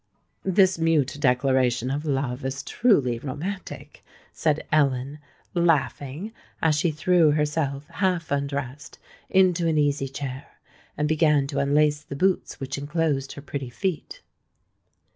"This mute declaration of love is truly romantic," said Ellen, laughing, as she threw herself, half undressed, into an easy chair, and began to unlace the boots which enclosed her pretty feet.